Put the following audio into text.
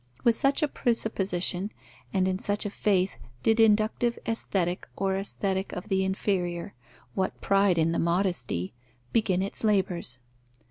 With such a presupposition and in such a faith did inductive Aesthetic or Aesthetic of the inferior (what pride in this modesty!) begin its labours.